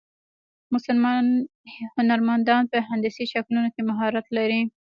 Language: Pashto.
مسلمان هنرمندان په هندسي شکلونو کې مهارت لري.